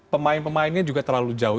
pemain pemainnya juga terlalu jauh